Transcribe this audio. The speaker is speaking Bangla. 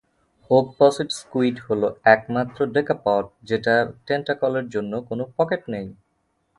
ওগপসিড স্কুইড হল একমাত্র ডেকাপোড, যেটার টেন্টাকলের জন্য কোনো পকেট নেই।